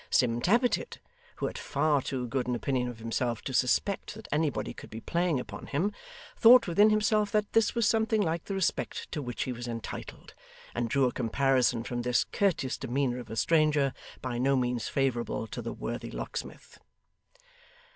Sim Tappertit, who had far too good an opinion of himself to suspect that anybody could be playing upon him, thought within himself that this was something like the respect to which he was entitled, and drew a comparison from this courteous demeanour of a stranger, by no means favourable to the worthy locksmith.